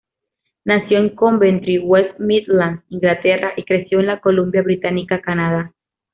Nació en Coventry, West Midlands, Inglaterra, y creció en la Columbia Británica, Canadá.